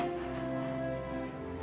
tunggu beberapa hari lagi